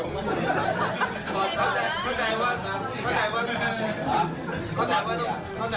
มันจัดมันจัด